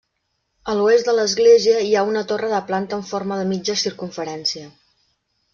A l'oest de l'església hi ha una torre de planta en forma de mitja circumferència.